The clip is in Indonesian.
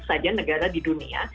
saja negara di dunia